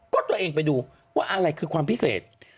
ก็ตัวเองไปดูว่าอะไรคือความพิเศษ